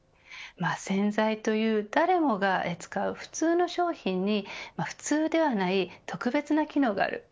洗剤という誰もが使う普通の商品に普通ではない特別な機能がある。